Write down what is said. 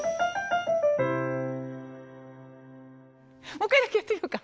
もう１回だけやってみようか。